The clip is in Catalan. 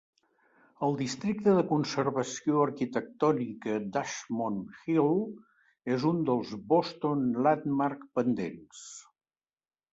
El Districte de Conservació Arquitectònica d'Ashmont Hill és un dels Boston Landmark pendents.